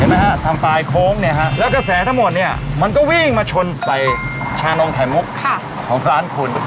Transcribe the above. ฮะทางปลายโค้งเนี่ยฮะแล้วกระแสทั้งหมดเนี่ยมันก็วิ่งมาชนใส่ชานมไข่มุกของร้านคุณ